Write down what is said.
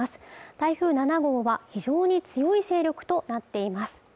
台風７号は非常に強い勢力となっています